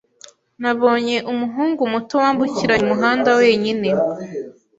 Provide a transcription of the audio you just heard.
Nabonye umuhungu muto wambukiranya umuhanda wenyine.